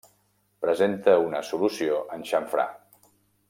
Presenta una solució en xamfrà.